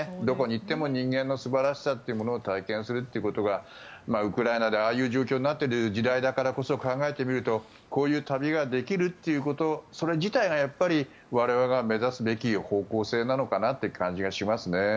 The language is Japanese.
どこに行っても人間の素晴らしさというものを体験するということがウクライナでああいう状況になっている時代だからこそ考えてみるとこういう旅ができるということそれ自体がやっぱり我々が目指すべき方向性なのかなという感じがしますね。